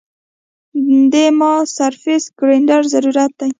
دې ما سرفېس ګرېنډر ضرورت ده